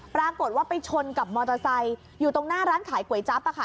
ปรากฏว่าไปชนกับมอเตอร์ไซค์อยู่ตรงหน้าร้านขายก๋วยจั๊บอะค่ะ